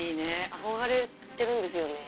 憧れてるんですよね。